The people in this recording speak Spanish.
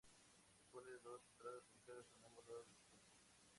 Dispone de dos entradas ubicadas a ambos lados del puente.